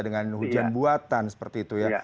dengan hujan buatan seperti itu ya